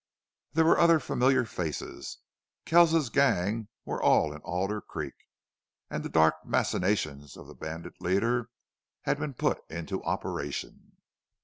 There were other familiar faces. Kells's gang were all in Alder Creek and the dark machinations of the bandit leader had been put into operation.